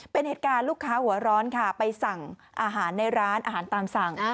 เป็นเหตุการณ์ลูกค้าหัวร้อนค่ะไปสั่งอาหารในร้านอาหารตามสั่ง